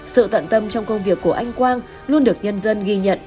sự tận tâm trong công việc của anh quang luôn được nhân dân ghi nhận